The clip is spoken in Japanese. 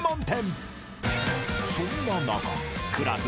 ［そんな中］